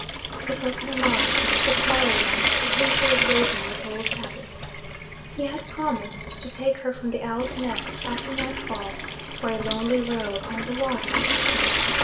It was Hermon, the taller one, for whom she was waiting with old Tabus. He had promised to take her from the Owl's Nest, after nightfall, for a lonely row upon the water.